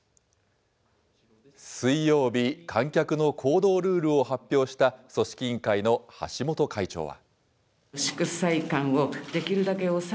水曜日、観客の行動ルールを発表した組織委員会の橋本会長は。